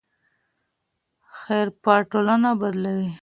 حرفه ټولنه بدلوي.